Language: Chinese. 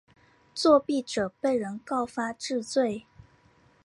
作弊者被人告发治罪。